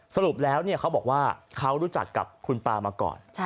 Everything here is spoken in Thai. สรุปแล้วเขาบอกว่าเขารู้จักกับคุณปามาก่อน